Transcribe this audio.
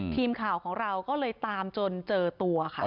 ทีมข่าวของเราก็เลยตามจนเจอตัวค่ะ